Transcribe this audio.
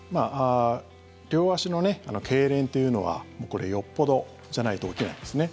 両足のけいれんというのはこれ、よっぽどじゃないと起きないんですね。